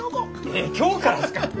えっ今日からっすか。